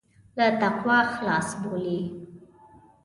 له تقوا خلاص بولي.